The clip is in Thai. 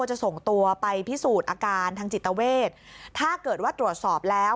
จะส่งตัวไปพิสูจน์อาการทางจิตเวทถ้าเกิดว่าตรวจสอบแล้ว